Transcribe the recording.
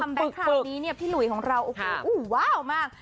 แบงค์คราวนี้เนี่ยพี่หลุยของเราโอ้โหอู่ว้าวมาก